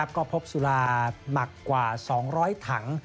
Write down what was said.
ก็พบสุราหนักกว่า๒๐๐ถัง